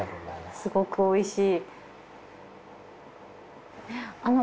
すごくおいしい。